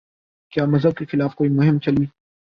کیا مذہب کے خلاف کوئی مہم چلی؟